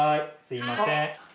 すいません。